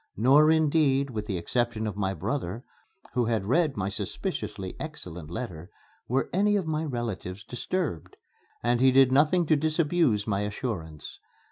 Nor, indeed, with the exception of my brother, who had read my suspiciously excellent letter, were any of my relatives disturbed; and he did nothing to disabuse my assurance.